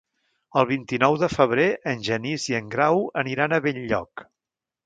El vint-i-nou de febrer en Genís i en Grau aniran a Benlloc.